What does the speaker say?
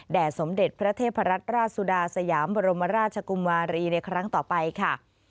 สมเด็จพระเทพรัตนราชสุดาสยามบรมราชกุมวารีในครั้งต่อไปค่ะ